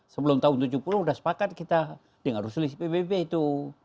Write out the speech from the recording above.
sebelum tahun tujuh puluh sudah sepakat kita dengan resolisi pbb itu